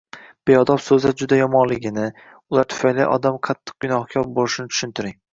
Beodob so'zlar juda yomonligini, ular tufayli odam qattiq gunohkor bo‘lishini tushuntiring.